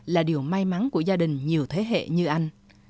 là điều may mắn của gia đình nhiều thế hệ như anh